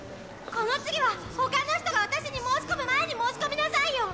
この次は他の人が私に申し込む前に申し込みなさいよ！